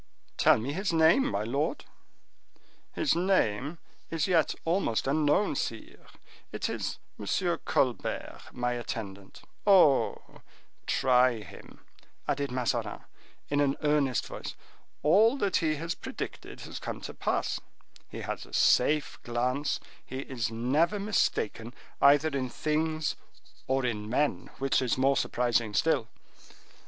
"Tell me his name, my lord." "His name is yet almost unknown, sire; it is M. Colbert, my attendant. Oh! try him," added Mazarin, in an earnest voice; "all that he has predicted has come to pass; he has a safe glance, he is never mistaken either in things or in men—which is more surprising still.